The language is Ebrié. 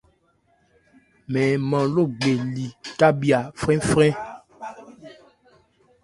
Mɛn nman Logbe li cábhiya frɛ́nfrɛ́n.